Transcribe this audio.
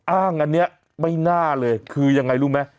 อ้างอันนี้ไม่น่าเลยคือยังไงรู้ไหม